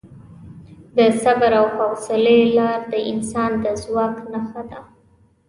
د صبر او حوصلې لار د انسان د ځواک نښه ده.